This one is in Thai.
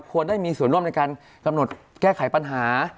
ควรได้มีส่วนร่วมในการกำหนดแก้ไขปัญหา